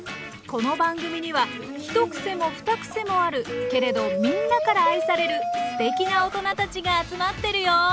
この番組には一癖も二癖もあるけれどみんなから愛されるすてきなおとなたちが集まってるよ！